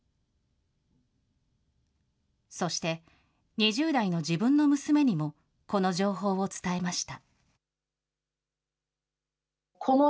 そして、２０代の自分の娘にもこの情報を伝えました。